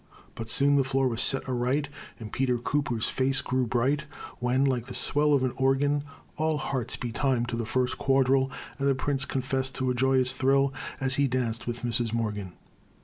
But soon the floor was set aright, And Peter Cooper's face grew bright, When, like the swell of an organ, All hearts beat time to the first quadrille, And the prince confessed to a joyous thrill As he danced with Mrs. Morgan.